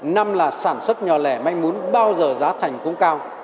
năm là sản xuất nhỏ lẻ manh mún bao giờ giá thành cũng cao